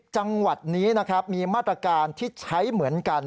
จังหวัดนี้นะครับมีมาตรการที่ใช้เหมือนกัน